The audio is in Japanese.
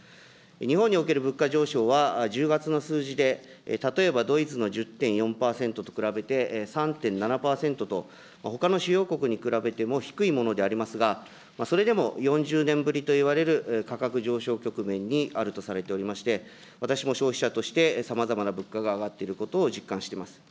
日本における物価上昇は１０月の数字で、例えばドイツの１０．４％と比べて、３．７％と、ほかの主要国に比べても低いものでありますが、それでも４０年ぶりといわれる価格上昇局面にあるとされておりまして、私も消費者としてさまざまな物価が上がっていることを実感してます。